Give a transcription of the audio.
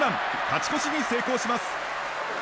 勝ち越しに成功します。